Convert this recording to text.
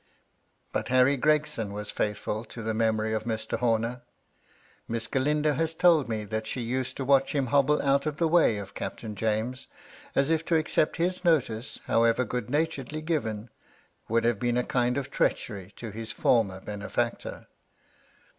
But Harry Gregson was faithful to the memory of Mr. Homer. Miss Galindo has told me that she used to watch him hobble out of the way of Captain James, as if to accept his notice, however good naturedly given, would have been a kind of treachery to his former benefactor.